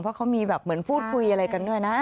เพราะเขามีแบบเหมือนพูดคุยอะไรกันด้วยนะ